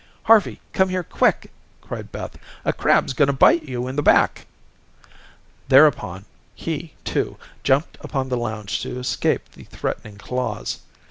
"Harvey, come here quick," cried Beth; "a crab's going to bite you in the back." Thereupon, he, too, jumped upon the lounge to escape the threatening claws.